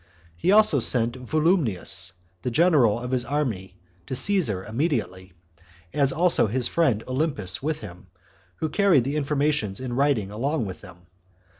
He also sent Volumnius, the general of his army, to Caesar immediately, as also his friend Olympus with him, who carried the informations in writing along with them.